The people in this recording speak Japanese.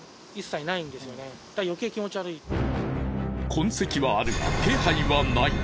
痕跡はあるが気配はない。